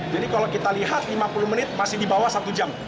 jadi kalau kita lihat lima puluh menit masih di bawah satu jam